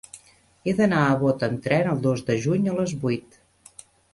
He d'anar a Bot amb tren el dos de juny a les vuit.